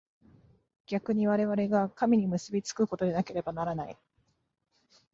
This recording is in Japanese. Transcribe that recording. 逆に我々が神に結び附くことでなければならない。